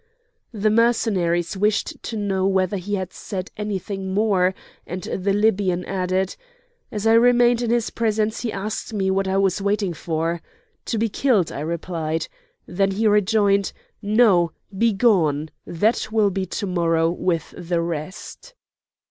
The Mercenaries wished to know whether he had said anything more, and the Libyan added: "As I remained in his presence, he asked me what I was waiting for. 'To be killed!' I replied. Then he rejoined: 'No! begone! that will be to morrow with the rest.